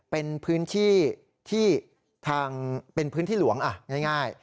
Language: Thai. เป็นพื้นที่ที่ทางเป็นพื้นที่หลวงง่าย